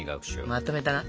まとめたな。